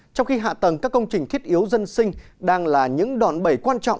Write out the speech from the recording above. trong khi hạ tầng các công trình thiết yếu dân sinh đang là những đòn bẩy quan trọng